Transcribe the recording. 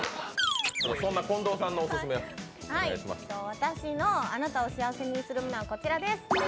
私のあなたを幸せにするものはこちらです。